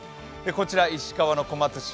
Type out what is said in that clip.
こちら石川の小松市